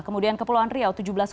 kemudian kepulauan riau tujuh belas enam